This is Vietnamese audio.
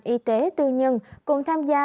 y tế tư nhân cùng tham gia